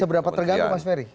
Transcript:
seberapa terganggu pak ferry